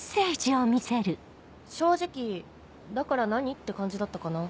「正直だから何って感じだったかな」。